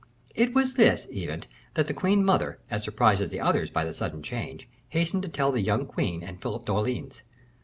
It was this, even, that the queen mother, as surprised as the others by the sudden change, hastened to tell the young queen and Philip d'Orleans.